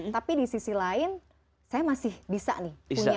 tapi di sisi lain saya masih bisa nih punya